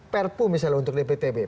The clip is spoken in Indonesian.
perpu misalnya untuk dptb